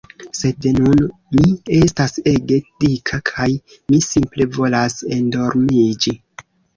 Sed nun mi estas ege dika kaj mi simple volas endormiĝi